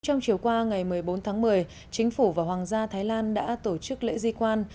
trong chiều qua ngày một mươi bốn tháng một mươi chính phủ và hoàng gia thái lan đã tổ chức lễ di quan